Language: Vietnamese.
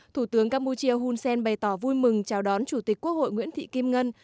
thủ tướng campuchia hun sen bày tỏ vui mừng chào đón chủ tịch quốc hội nguyễn thị kim ngân